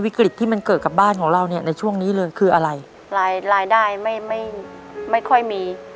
วิกฤตที่มันเกิดกับบ้านของเราเนี่ยในช่วงนี้เลยคืออะไร